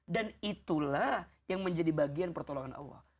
dan itulah yang menjadi bagian pertolongan allah